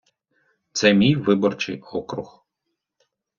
Це мій виборчий округ.